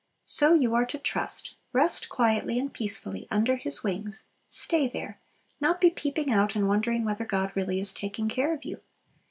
So you are to trust, rest quietly and peacefully, "under His wings;" stay there, not be peeping out and wondering whether God really is taking care of you!